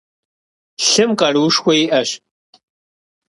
Лъым къаруушхуэ иӀэщ.